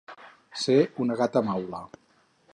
Ser una gata maula.